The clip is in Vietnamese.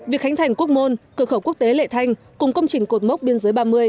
việc khánh thành quốc môn cửa khẩu quốc tế lệ thanh cùng công trình cột mốc biên giới ba mươi